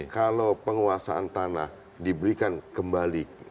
kalau penguasaan tanah diberikan kembali